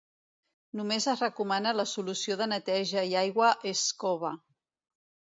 Només es recomana la solució de neteja i aigua Scooba.